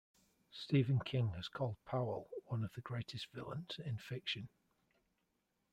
Stephen King has called Powell one of the greatest villains in fiction.